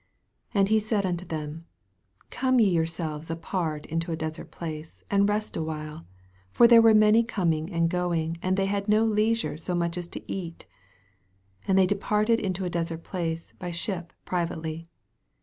31 And he said unto them, Come ye yourselves apart into a desert place, and rest a while : for there were many coming and going, and they had no leisure so much as to eat. 32 And they departed into a desert place by ship privately.